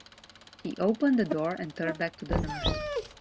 He opened the door and turned back to the nurse.